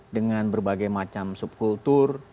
dengan berbagai macam subkultur